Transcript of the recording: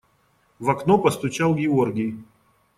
В окно постучал Георгий.